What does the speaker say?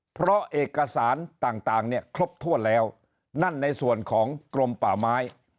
เพราะเอกสารต่างเนี่ยครบถ้วนแล้วนั่นในส่วนของกรมป่าไม้